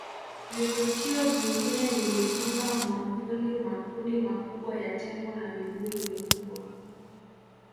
Vivutio vingine ni Migunga mwamvuli Makundi makubwa ya Tembo na Mibuyu mikubwa